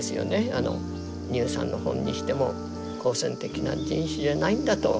あの「ＮｅｗＳｕｎ」の本にしても好戦的な人種じゃないんだと。